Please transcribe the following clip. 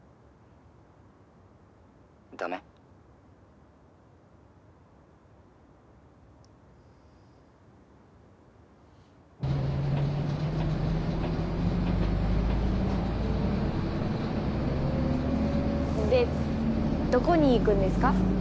「駄目？」でどこに行くんですか？